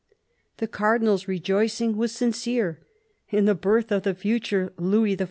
." The Cardinal's rejoicing was sincere. In the birth of the future Louis XIV.